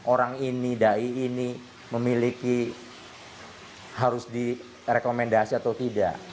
orang ini da'i ini memiliki harus direkomendasi atau tidak